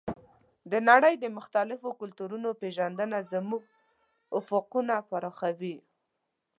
د نړۍ د مختلفو کلتورونو پېژندنه زموږ افقونه پراخوي.